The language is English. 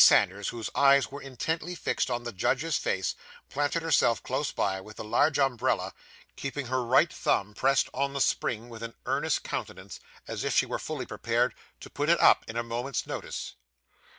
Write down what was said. Sanders, whose eyes were intently fixed on the judge's face, planted herself close by, with the large umbrella, keeping her right thumb pressed on the spring with an earnest countenance, as if she were fully prepared to put it up at a moment's notice.